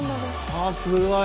あすごい。